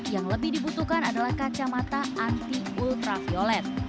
yang lebih dibutuhkan adalah kacamata anti ultraviolet